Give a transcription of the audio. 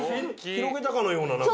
広げたかのような何か。